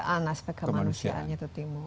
aspek kemanusiaan itu timu